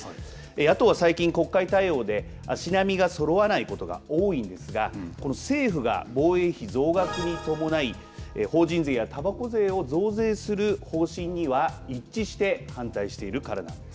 野党は最近、国会対応で足並みがそろわないことが多いのですが政府が防衛費増額に伴い法人税やたばこ税を増税する方針には一致して反対しているからなんです。